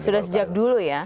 sudah sejak dulu ya